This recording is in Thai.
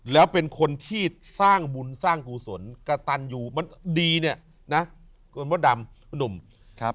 แล้วเป็นคนที่สร้างบุญสร้างกุศลกระตันอยู่มันดีเนี่ยนะ